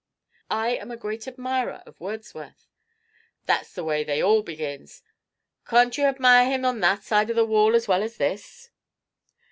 "I am a great admirer of Wordsworth " "That's the way they all begins. Cawn't ye hadmire 'im on that side of the wall as well as this?"